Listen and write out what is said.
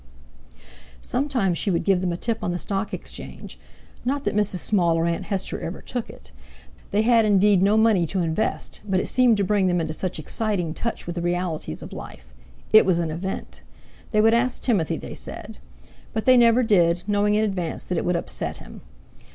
Sometimes she would give them a tip on the Stock Exchange; not that Mrs. Small or Aunt Hester ever took it. They had indeed no money to invest; but it seemed to bring them into such exciting touch with the realities of life. It was an event. They would ask Timothy, they said. But they never did, knowing in advance that it would upset him.